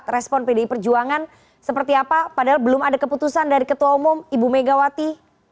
respon pdi perjuangan seperti apa padahal belum ada keputusan dari ketua umum ibu megawati